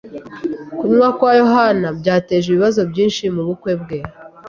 Kunywa kwa yohani byateje ibibazo byinshi mubukwe bwe.